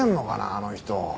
あの人。